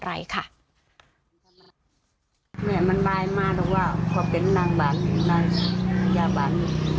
ไรค่ะเนี่ยมันลายมากก็ว่ากับเป็นนางบาลนางหญ้าบาล